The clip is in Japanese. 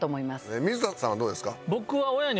水田さんはどうですか？